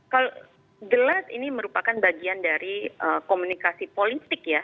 kalau jelas ini merupakan bagian dari komunikasi politik ya